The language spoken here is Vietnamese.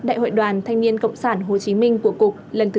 đại hội đoàn thanh niên cộng sản hồ chí minh của cục lần thứ tám